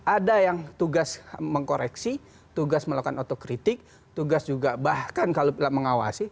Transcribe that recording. ada yang tugas mengkoreksi tugas melakukan otokritik tugas juga bahkan kalau mengawasi